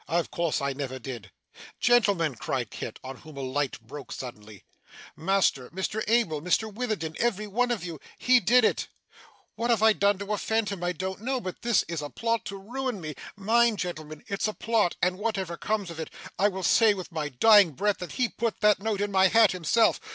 Of course I never did.' 'Gentlemen,' cried Kit, on whom a light broke suddenly, 'Master, Mr Abel, Mr Witherden, every one of you he did it! What I have done to offend him, I don't know, but this is a plot to ruin me. Mind, gentlemen, it's a plot, and whatever comes of it, I will say with my dying breath that he put that note in my hat himself!